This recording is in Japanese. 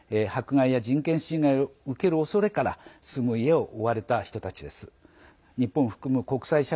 難民は迫害や人権侵害を受けるおそれから住む家を追われた人たちです。